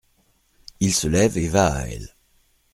Il se lève et va à elle.